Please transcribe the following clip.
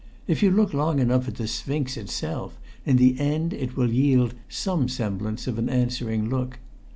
If you look long enough at the Sphinx itself, in the end it will yield some semblance of an answering look.